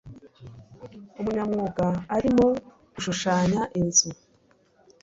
Umunyamwuga arimo gushushanya inzu.